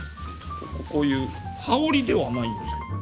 こういう羽織ではないんですけど。